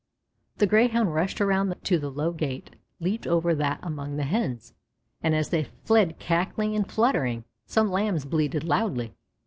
The Greyhound rushed around to the low gate, leaped over that among the Hens, and as they fled cackling and fluttering, some Lambs bleated loudly.